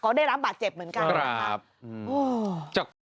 ก็ได้รับบาดเจ็บเหมือนกันนะครับครับอืมโอ้จัก